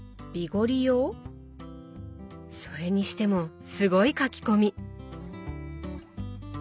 それにしてもすごい書き込み！